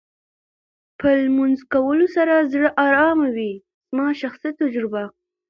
په لمونځ کولو سره زړه ارامه وې زما شخصي تجربه.